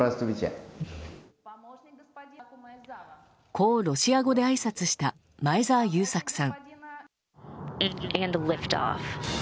こう、ロシア語であいさつした前澤友作さん。